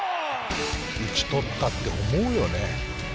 打ちとったって思うよね。